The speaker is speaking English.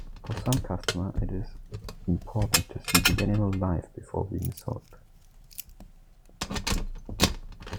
For some customers, it is important to see the animal live before being sold.